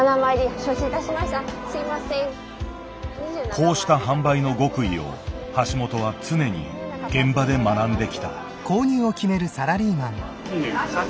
こうした販売の極意を橋本は常に現場で学んできた。